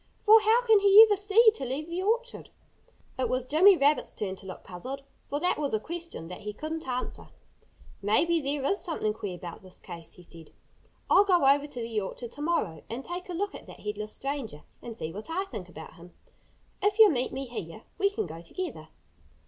For how can he ever see to leave the orchard?" It was Jimmy Rabbit's turn to look puzzled, for that was a question that he couldn't answer. "Maybe there is something queer about this case," he said. "I'll go over to the orchard to morrow and take a look at that headless stranger and see what I think about him. If you'll meet me here we can go together."